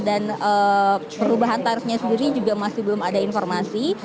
dan perubahan tarifnya sendiri juga masih belum ada informasi